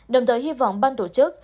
đồng thời hy vọng ban tổ chức